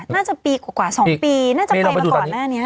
น่าจะปีกว่า๒ปีน่าจะไปมาก่อนหน้านี้